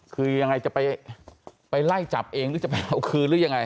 คือยังไงจะไปไล่จับเองหรือจะไปเอาคืนหรือยังไง